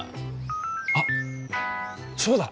あっそうだ！